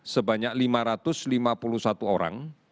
sebanyak lima ratus lima puluh satu orang